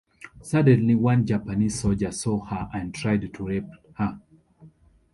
Suddenly, one Japanese soldier saw her and tried to raped her.